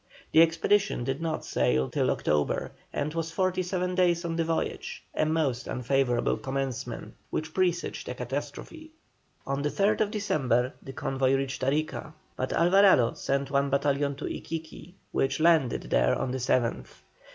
The expedition did not sail till October, and was fifty seven days on the voyage; a most unfavourable commencement which presaged a catastrophe. On the 3rd December the convoy reached Arica, but Alvarado sent one battalion to Iquiqui, which landed there on the 7th.